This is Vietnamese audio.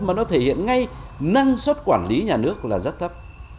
mà nó thể hiện ngay năng suất quản lý nhà nước là rất thấp